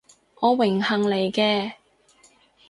我榮幸嚟嘅